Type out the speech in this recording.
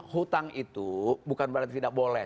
hutang itu bukan berarti tidak boleh